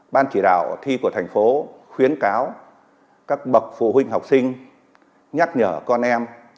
ban chỉ đạo thi của thành phố khuyến cáo các bậc phụ huynh học sinh nhắc nhở con em